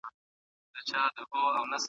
موږ د خپلو عالمانو او هنرمندانو درناوی کوو.